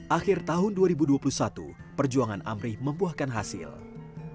akhir tahun dua ribu dua puluh satu perjuangan amri membuahkan hasil